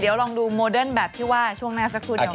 เดี๋ยวลองดูโมเดิ้นแบบที่กลับตรงในช่วงหน้าสักครู่เดี๋ยวค่ะ